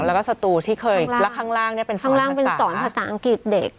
แล้วก็สตูที่เคยแล้วข้างล่างเนี่ยเป็นข้างล่างเป็นสอนภาษาอังกฤษเด็ก